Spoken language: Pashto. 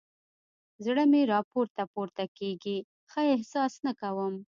زړه مې راپورته پورته کېږي؛ ښه احساس نه کوم.